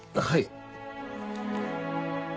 はい。